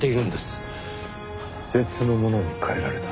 別のものに変えられた？